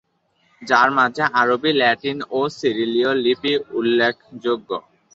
যার মাঝে আরবী, ল্যাটিন ও সিরিলিয় লিপি উল্লপখযোগ্য।